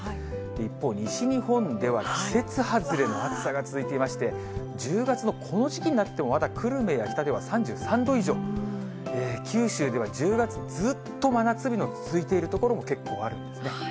一方、西日本では季節外れの暑さが続いていまして、１０月のこの時期になっても、まだ久留米や日田では３３度以上、九州では１０月、ずっと真夏日の続いている所も結構あるんですね。